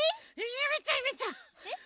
ゆめちゃんゆめちゃん！え？